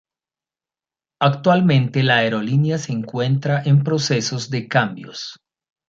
Actualmente la aerolínea se encuentra en procesos de cambios.